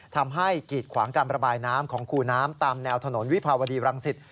กีดขวางการระบายน้ำของคูน้ำตามแนวถนนวิภาวดีรังสิต